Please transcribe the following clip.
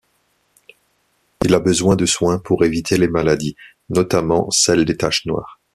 Il a besoin de soins pour éviter les maladies, notamment celle des taches noires.